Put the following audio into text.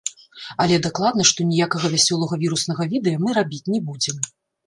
Але дакладна, што ніякага вясёлага віруснага відэа мы рабіць не будзем.